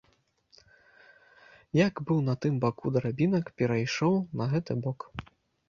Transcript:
Як быў на тым баку драбінак, перайшоў на гэты бок.